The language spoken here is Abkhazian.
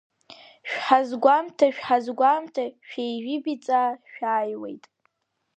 Шәҳазгәаҭа, шәҳазгәамҭа, шәеижәибаҵа шәааиуеит.